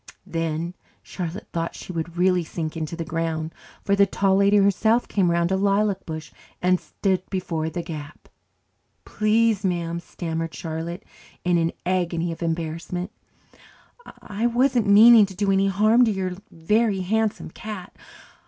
Then Charlotte thought she would really sink into the ground, for the Tall Lady herself came around a lilac bush and stood before the gap. "Please, ma'am," stammered Charlotte in an agony of embarrassment, "I wasn't meaning to do any harm to your Very Handsome Cat.